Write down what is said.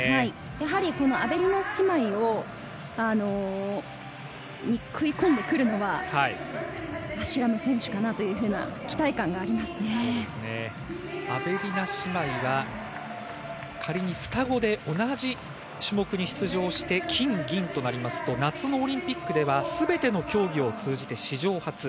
このアベリナ姉妹に食い込んでくるにはアシュラム選手かなというアベリナ姉妹が仮に双子で同じ種目に出場して金、銀となりますと夏のオリンピックでは全ての競技を通じて史上初。